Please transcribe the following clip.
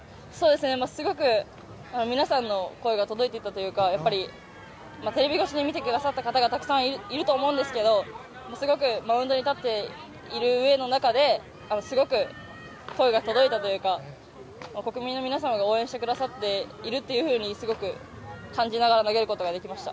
すごく皆さんの声が届いていたというかテレビ越しに見てくださった方がたくさんいると思うんですけどすごくマウンドに立っている上の中ですごく声が届いたというか国民の皆様が応援してくださっているというふうにすごく感じながら投げることができました。